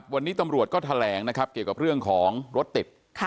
วันนี้ตำรวจก็แถแหลงเกี่ยวกับอย่างของรถติด